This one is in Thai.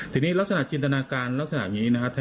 ทีนี้ลักษณะจินตนาการลักษณะอย่างนี้นะครับ